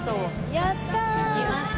やったー！